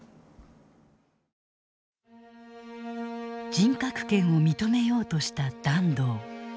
人格権を認めようとした團藤。